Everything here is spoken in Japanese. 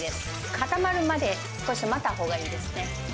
固まるまで、少し待ったほうがいいですね。